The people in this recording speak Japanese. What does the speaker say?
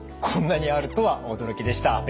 こんなにあるとは驚きでした。